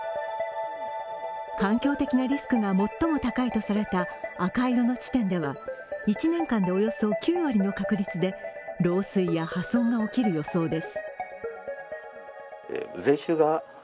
環境的なリスクが最も高いとされた赤色の地点では、１年間でおよそ９割の確率で漏水や破損が起きる予想です。